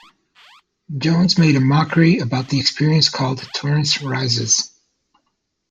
Jonze made a mockumentary about the experience called "Torrance Rises".